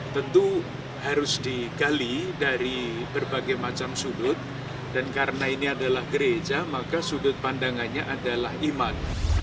tentu harus digali dari berbagai macam sudut dan karena ini adalah gereja maka sudut pandangannya adalah iman